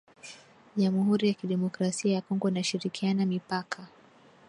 Jamuhuri ya kidemokrasia ya Kongo inashirikiana Mipaka